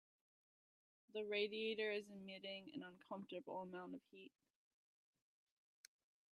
That radiator is emitting an uncomfortable amount of heat.